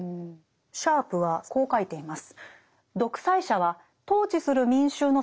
シャープはこう書いています。